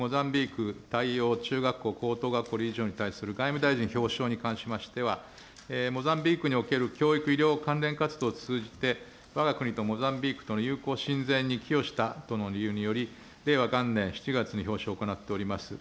モザンビーク太陽中学校・高校理事長に対する外務大臣表彰に関しましては、モザンビークにおける教育医療関連活動を通じて、わが国とモザンビークとの友好親善に寄与したとの理由により、令和元年７月に表彰を行っております。